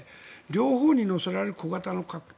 両方に載せられる小型の核。